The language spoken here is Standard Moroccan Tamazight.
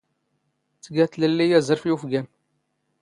ⵜⴳⴰ ⵜⵍⴻⵍⵍⵉ ⴰⵣⵔⴼ ⵉ ⵓⴼⴳⴰⵏ.